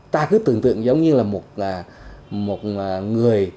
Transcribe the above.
ta cứ tưởng tượng giống như là một người